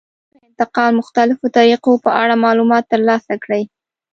د تودوخې انتقال مختلفو طریقو په اړه معلومات ترلاسه کړئ.